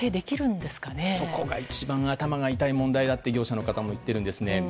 そこが一番頭が痛い問題だと、業者の方も言っているんですね。